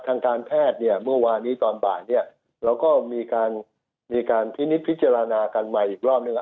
ทางการแพทย์เมื่อวานนี้ตอนบ่ายเราก็มีการพิจารณากันใหม่อีกรอบหนึ่ง